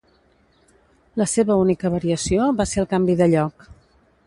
La seva única variació va ser el canvi de lloc.